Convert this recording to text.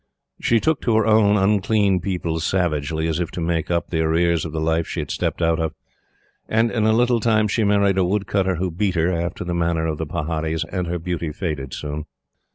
She took to her own unclean people savagely, as if to make up the arrears of the life she had stepped out of; and, in a little time, she married a wood cutter who beat her, after the manner of paharis, and her beauty faded soon.